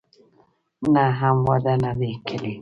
نه، هم واده نه دی کړی.